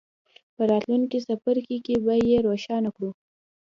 په راتلونکي څپرکي کې به یې روښانه کړو.